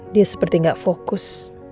dia seperti gak fokus